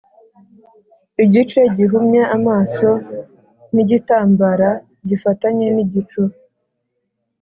igice-gihumye amaso nigitambara gifatanye nigicu: